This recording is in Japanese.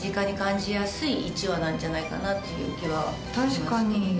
確かに。